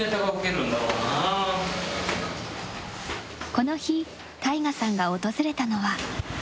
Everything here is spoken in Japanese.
この日、ＴＡＩＧＡさんが訪れたのは。